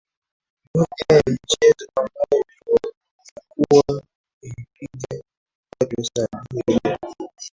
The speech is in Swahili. moja ya michezo ambayo ikuwa ikipiga upato sana hiyo jana